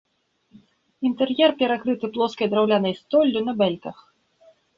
Інтэр'ер перакрыты плоскай драўлянай столлю на бэльках.